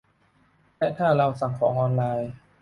และถ้าเราสั่งของออนไลน์